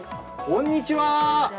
こんにちは。